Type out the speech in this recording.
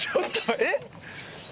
えっ？